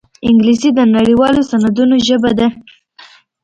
انګلیسي د نړيوالو سندونو ژبه ده